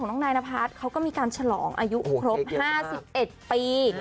น้องนายนพัฒน์เขาก็มีการฉลองอายุครบ๕๑ปี